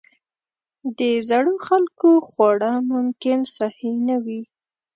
د زړو خلکو خواړه ممکن صحي نه وي.